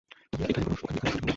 তবে এখানে কোনও শুটিং হবে না।